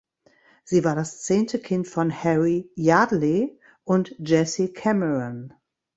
Sie war das zehnte Kind von Harry Yardley und Jessie Cameron.